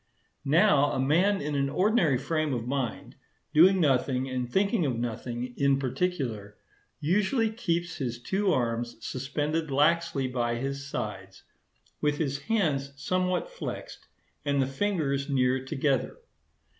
Now, a man in an ordinary frame of mind, doing nothing and thinking of nothing in particular, usually keeps his two arms suspended laxly by his sides, with his hands somewhat flexed, and the fingers near together.